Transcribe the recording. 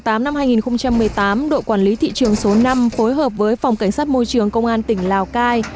trước đó vào khoảng giờ ngày bảy tám hai nghìn một mươi tám đội quản lý thị trường số năm phối hợp với phòng cảnh sát môi trường công an tỉnh lào cai